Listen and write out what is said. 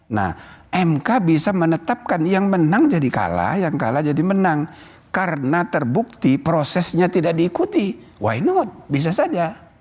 nah mk bisa menetapkan yang menang jadi kalah yang kalah jadi menang karena terbukti prosesnya tidak diikuti why not bisa saja